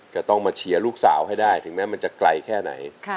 จะต้องมาเชียร์ลูกสาวให้ได้ถึงแม้มันจะไกลแค่ไหน